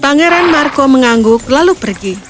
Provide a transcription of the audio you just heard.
pangeran marco mengangguk lalu pergi